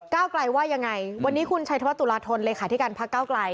ไกลว่ายังไงวันนี้คุณชัยธวัฒตุลาธนเลขาธิการพักเก้าไกล